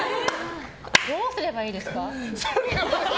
どうすればいいですか。